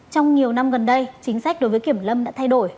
trong nhiều năm gần đây chính sách đối với kiểm lâm đã thay đổi